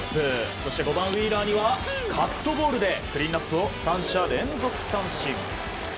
そして５番、ウィーラーにはカットボールでクリーンアップを三者連続三振。